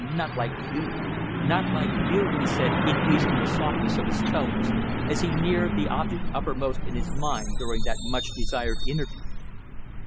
Not like you. Not like you," he said, increasing the softness of his tones as he neared the object uppermost in his mind during that much desired interview.